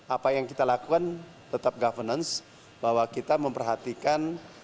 apa yang kita lakukan tetap governance bahwa kita memperhatikan